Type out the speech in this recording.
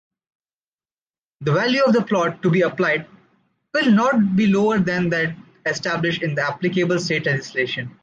The value of the plot to be applied will not be lower than that established in the applicable state legislation.